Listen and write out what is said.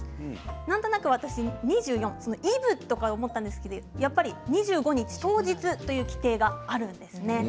なんとなく私２４、イブかなと思ったんですが２５日、当日という規定があるんです。